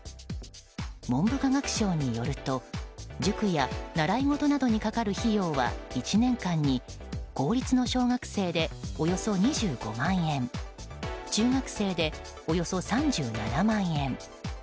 文部科学省によると塾や習い事などにかかる費用は１年間に、公立の小学生でおよそ２５万円中学生で、およそ３７万円。